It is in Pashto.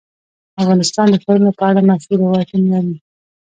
افغانستان د ښارونو په اړه مشهور روایتونه لري.